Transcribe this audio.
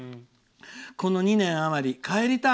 「この２年余り帰りたい。